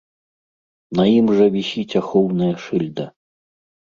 На ім жа вісіць ахоўная шыльда!